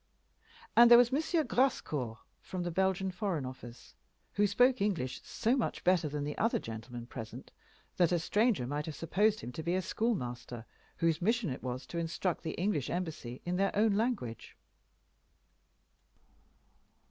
And there was M. Grascour, from the Belgian Foreign Office, who spoke English so much better than the other gentlemen present that a stranger might have supposed him to be a school master whose mission it was to instruct the English Embassy in their own language.